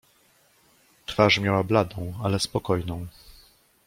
"Twarz miała bladą, ale spokojną."